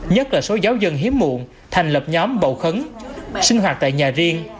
nhất là số giáo dân hiếm muộn thành lập nhóm bầu khấn sinh hoạt tại nhà riêng